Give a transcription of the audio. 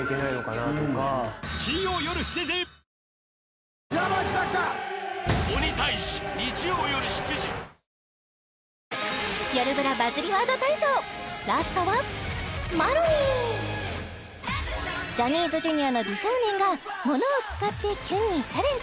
明星「中華三昧」よるブラバズりワード大賞ラストはジャニーズＪｒ．の美少年がモノを使ってキュンにチャレンジ